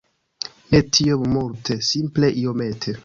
Ne tiom multe, simple iomete